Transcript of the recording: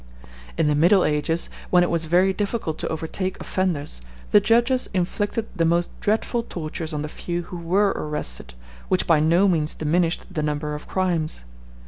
In the Middle Ages, when it was very difficult to overtake offenders, the judges inflicted the most dreadful tortures on the few who were arrested, which by no means diminished the number of crimes.